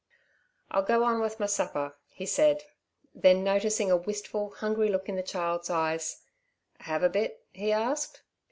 "I'll go on with my supper," said he; then noticing a wistful, hungry look in the child's eyes, "Have a bit?" he asked.